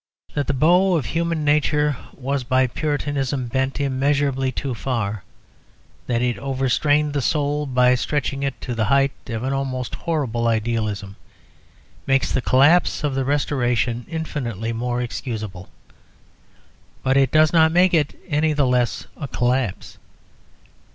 That the bow of human nature was by Puritanism bent immeasurably too far, that it overstrained the soul by stretching it to the height of an almost horrible idealism, makes the collapse of the Restoration infinitely more excusable, but it does not make it any the less a collapse.